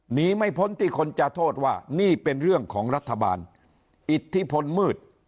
หนีไม่พ้นที่คนจะโทษว่านี่เป็นเรื่องของรัฐบาลอิทธิพลมืด